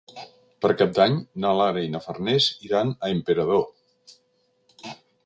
Per Cap d'Any na Lara i na Farners iran a Emperador.